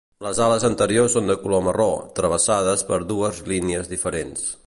Les ales anteriors són de color marró, travessades per dues línies diferents.